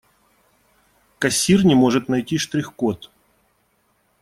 Кассир не может найти штрих-код.